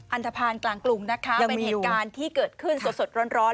อันทภาณกลางกรุงนะคะเป็นเหตุการณ์ที่เกิดขึ้นสดร้อน